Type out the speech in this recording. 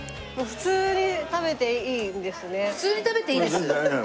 普通に食べていいです。